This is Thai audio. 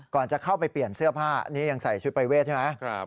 จะเข้าไปเปลี่ยนเสื้อผ้านี่ยังใส่ชุดปรายเวทใช่ไหม